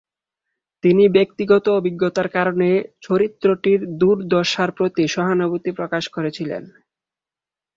তিনি ব্যক্তিগত অভিজ্ঞতার কারণে চরিত্রটির দুর্দশার প্রতি সহানুভূতি প্রকাশ করেছিলেন।